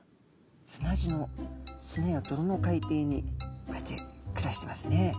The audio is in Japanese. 砂地の砂やどろの海底にこうやって暮らしてますね。